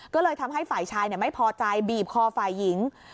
ก็เลยทำให้ฝ่ายชายไม่พอใจบีบคอฝ่ายหญิง